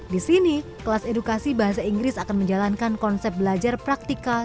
di sini kelas edukasi bahasa inggris akan menjalankan konsep belajar praktikal